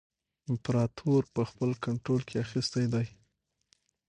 امپراطور په خپل کنټرول کې اخیستی دی.